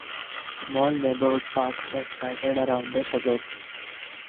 Small neighbourhood parks are scattered around the suburb.